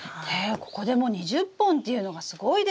ここで２０本っていうのがすごいですよね！